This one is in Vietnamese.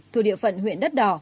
thuộc địa phận huyện đất đỏ